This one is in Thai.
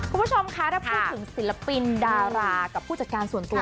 คุณผู้ชมคะถ้าพูดถึงศิลปินดารากับผู้จัดการส่วนตัว